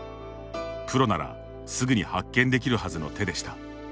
プロならすぐに発見できるはずの手でした。